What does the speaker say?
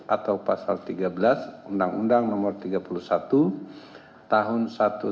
atau pasal tiga belas undang undang nomor tiga puluh satu tahun seribu sembilan ratus sembilan puluh